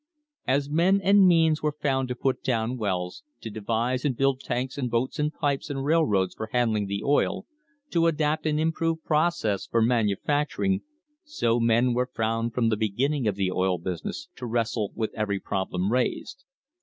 As men and means were found to put down wells, to devise and build tanks and boats and pipes and railroads for handling the oil, to adapt and improve processes for manufacturing, so men were found from the beginning of the oil business to wrestle with every problem raised.